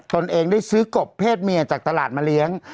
ตนเองได้ซื้อกบเพศเมียจากตลาดมาเลี้ยง